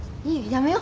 やめよ。